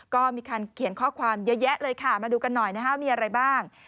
ก็มีการเขียนข้อความเยอะแยะเลยค่ะมาดูกันหน่อยนะคะมีอะไรบ้าง